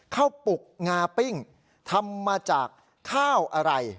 ปลูกงาปิ้งทำมาจากข้าวอะไร